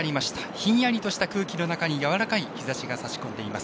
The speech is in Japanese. ひんやりとした空気の中にやわらかい日ざしがさしこんでいます。